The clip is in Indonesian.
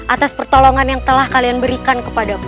atas pertolongan yang telah kalian berikan kepadamu